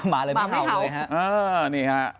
หมาเลยไม่เข้าหมาไม่เข้าเลยฮะอ่านี่ฮะ